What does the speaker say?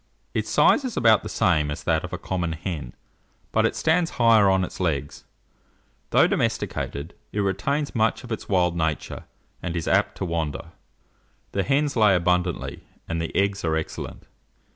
Its size is about the same as that of a common hen, but it stands higher on its legs. Though domesticated, it retains much of its wild nature, and is apt to wander. The hens lay abundantly, and the eggs are excellent.